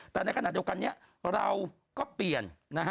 แต่ในขณะเดียวกันนี้เราก็เปลี่ยนนะฮะ